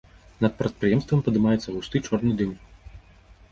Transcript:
Над прадпрыемствам падымаецца густы чорны дым.